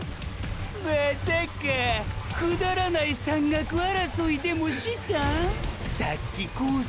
まさかくぅだらない山岳争いでもしたん⁉さっきコース